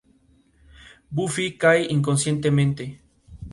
Buffy cae inconsciente.